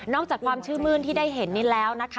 จากความชื่นมื้นที่ได้เห็นนี้แล้วนะคะ